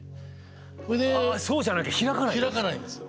そうじゃなきゃ開かないんですか？